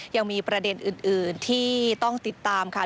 ยังมีประเด็นอื่นที่ต้องติดตามค่ะ